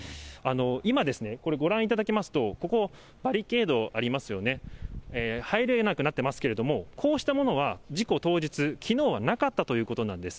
今、これ、ご覧いただきますと、ここ、バリケードありますよね、入れなくなってますけれども、こうしたものは事故当日、きのうはなかったということなんです。